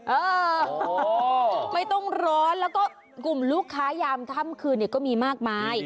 เออไม่ต้องร้อนแล้วก็กลุ่มลูกค้ายามค่ำคืนเนี่ยก็มีมากมาย